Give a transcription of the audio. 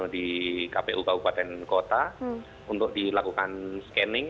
di kpuk kupaten kota untuk dilakukan scanning